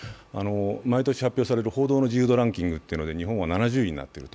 毎年発表される報道の自由度ランキングで日本は７０位になっている。